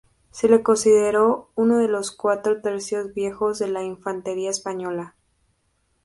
Se le considera uno de los cuatro Tercios Viejos de la infantería española.